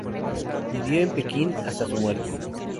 Vivió en Pekín hasta su muerte.